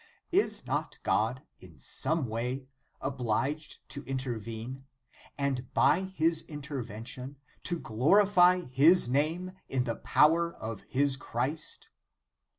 Is not God, in some way, obliged to intervene, and by His intervention, to glorify His name and the power of His Christ?